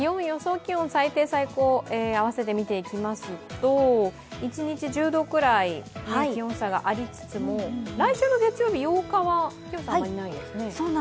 気温、最低最高、あわせて見ていきますと一日１０度くらいの気温差がありつつも、来週の月曜日、８日は気温差がないですね。